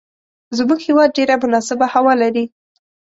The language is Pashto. زموږ هیواد ډیره مناسبه هوا لری